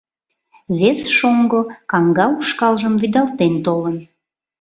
Вес шоҥго каҥга ушкалжым вӱдалтен толын.